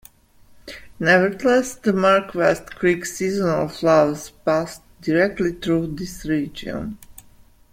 Nevertheless, the Mark West Creek's seasonal flows pass directly through this region.